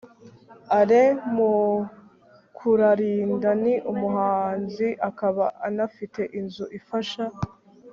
alain mukuralinda ni umuhanzi akaba anafite inzu ifasha